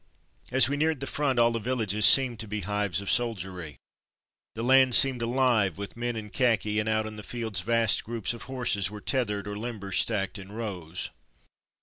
As we neared the front all the villages seemed to be hives of soldiery. The land seemed alive with men in khaki, and out in the fields vast groups of horses were tethered or limbers stacked in rows.